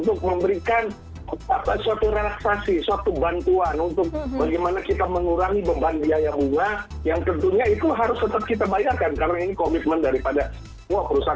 untuk memberikan suatu relaksasi suatu bantuan bagaimana kita mengurangi beban biaya bunga yang tentunya itu tetap harus kita bayarkan karena komitmen dari perusahaan perintel